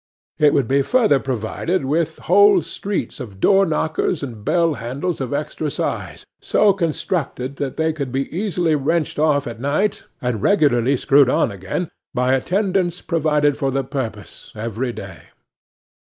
It would be further provided with whole streets of door knockers and bell handles of extra size, so constructed that they could be easily wrenched off at night, and regularly screwed on again, by attendants provided for the purpose, every day.